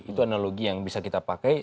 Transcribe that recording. itu analogi yang bisa kita pakai